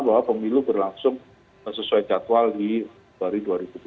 bahwa pemilu berlangsung sesuai jadwal di februari dua ribu dua puluh